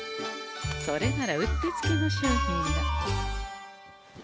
それならうってつけの商品が。